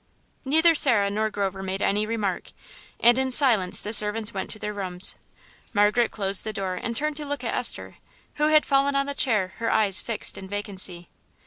Neither Sarah nor Grover made any remark, and in silence the servants went to their rooms. Margaret closed the door and turned to look at Esther, who had fallen on the chair, her eyes fixed in vacancy.